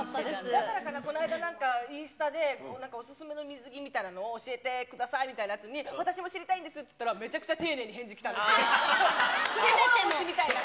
だからかな、この間、インスタでお勧めの水着みたいのを教えてくださいみたいなやつに、私も知りたいんですって言ったら、めちゃくちゃ丁寧に返事来たんでせめても。